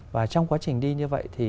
và trong quá trình đi như vậy thì